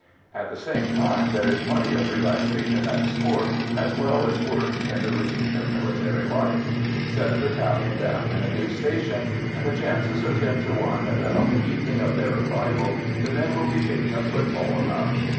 At the same time, there is plenty of relaxation and sport as well as work in the routine of military life. Set a battalion down in a new station, and the chances are ten to one that on the evening of their arrival the men will be kicking a football about.